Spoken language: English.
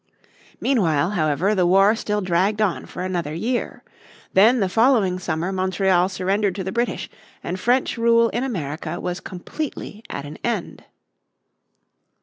Meanwhile, however, the war still dragged on for another year. Then the following summer Montreal surrendered to the British, and French rule in America was completely at an end.